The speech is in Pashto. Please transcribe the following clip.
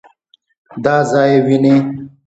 دا ځای وينې؟